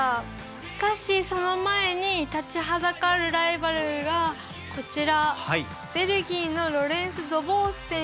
しかしその前に立ちはだかるライバルがこちら！